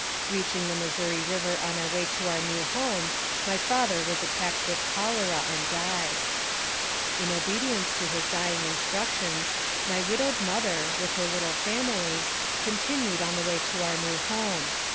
Reaching the Missouri River on our way to our new home, my father was attacked with cholera, and died. In obedience to his dying instructions, my widowed mother, with her little family, continued on the way to our new home.